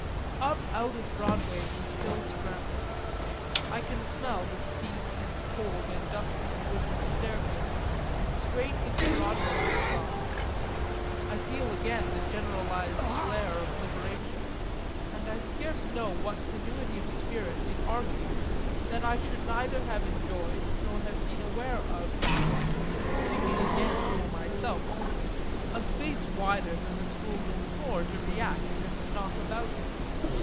Up out of Broadway we still scrambled I can smell the steep and cold and dusty wooden staircase; straight into Broadway we dropped I feel again the generalised glare of liberation; and I scarce know what tenuity of spirit it argues that I should neither have enjoyed nor been aware of missing (speaking again for myself only) a space wider than the schoolroom floor to react and knock about in.